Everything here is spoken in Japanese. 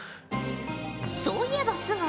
そういえば須貝